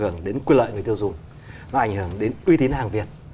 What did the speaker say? nó là ảnh hưởng đến quy lợi người tiêu dùng nó là ảnh hưởng đến uy tín hàng việt